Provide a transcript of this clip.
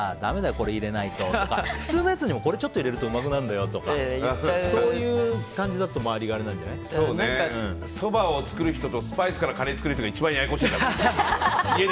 これを入れないととか普通のやつにも、これ入れるとうまくなるんだよとかそういう感じだとそばを作る人とスパイスからカレーを作る人が一番ややこしいからね。